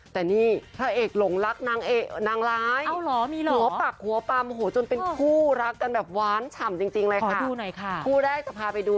เศรียบจบเป็นคู่รักกันแบบหวานฉ่ำจริงเลยหน่อยค่ะกูแรกเธอไปดู